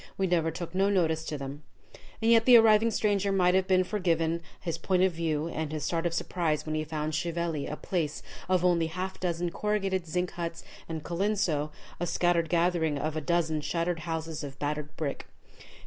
We never took no notice to them." And yet the arriving stranger might have been forgiven his point of view and his start of surprise when he found Chieveley a place of only a half dozen corrugated zinc huts, and Colenso a scattered gathering of a dozen shattered houses of battered brick.